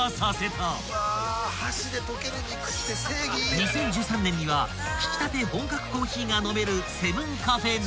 ［２０１３年にはひきたて本格コーヒーが飲める］